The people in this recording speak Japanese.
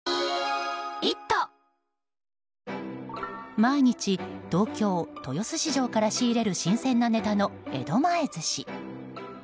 毎日、東京・豊洲市場から仕入れる新鮮なネタの江戸前寿司。